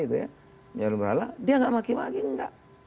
dia tidak maki maki tidak